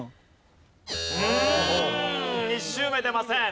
１周目出ません。